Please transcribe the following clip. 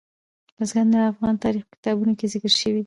بزګان د افغان تاریخ په کتابونو کې ذکر شوی دي.